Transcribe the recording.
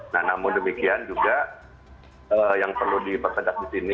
nah namun demikian juga yang perlu dipertegak di sini